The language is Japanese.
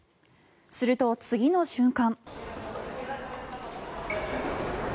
すると、次の瞬間。